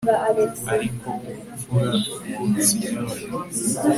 ariko, ubupfura, monsignore